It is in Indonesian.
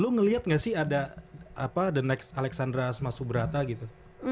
lo ngeliat gak sih ada apa the next alexandra asma subrata gitu